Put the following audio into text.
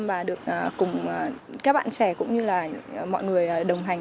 mà được cùng các bạn trẻ cũng như là mọi người đồng hành